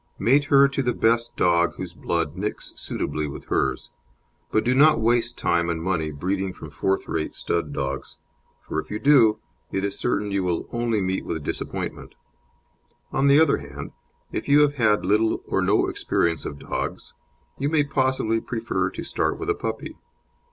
Mate her to the best dog whose blood "nicks" suitably with hers, but do not waste time and money breeding from fourth rate stud dogs, for if you do it is certain you will only meet with disappointment. On the other hand, if you have had little or no experience of dogs, you may possibly prefer to start with a puppy.